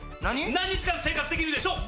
何日間生活できるでしょう？